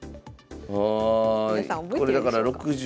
ああこれだから６０。